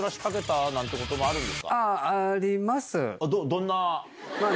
どんな？